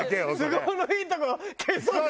都合のいいとこ消そうと。